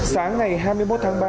sáng ngày hai mươi một tháng ba